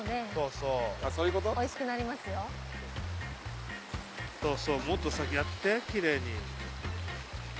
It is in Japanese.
そうそうもっとやって奇麗に。